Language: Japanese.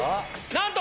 なんと！